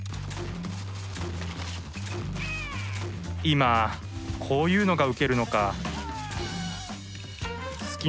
今こういうのがウケるのかあ。